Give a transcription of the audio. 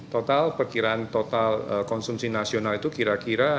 total perkiraan total konsumsi nasional itu kira kira